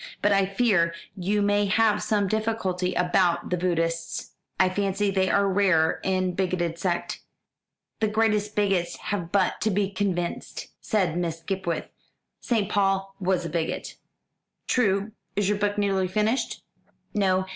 But I fear you may have some difficulty about the Buddhists. I fancy they are rather a bigoted sect." "The greatest bigots have but to be convinced," said Miss Skipwith. "St. Paul was a bigot." "True. Is your book nearly finished?" "No.